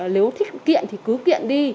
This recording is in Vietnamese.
nếu thích kiện thì cứ kiện đi